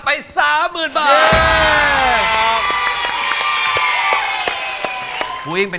กิเลนพยองครับ